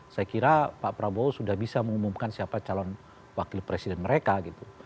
saya kira pak prabowo sudah bisa mengumumkan siapa calon wakil presiden mereka gitu